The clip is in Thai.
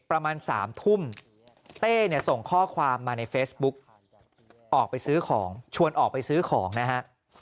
ประมาณ๓ทุ่มเต้เนี่ยส่งข้อความมาในเฟซบุ๊กออกไปซื้อของชวนออกไปซื้อของนะฮะ